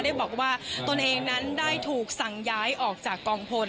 ได้บอกว่าตนเองนั้นได้ถูกสั่งย้ายออกจากกองพล